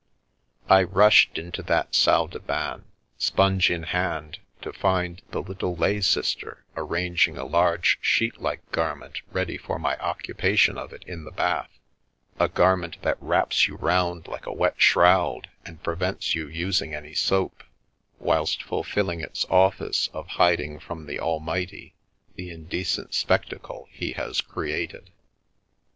I rushed into that salle de bain, sponge in hand, to find the little lay sister arranging a large, sheet like gar ment ready for my occupation of it in the bath — a gar ment that wraps you round like a wet shroud, and prevents you using any soap, whilst fulfilling its office of hiding from the Almighty the indecent spectacle He has created.